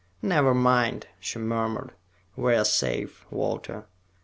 "Never mind," she murmured. "We are safe, Walter.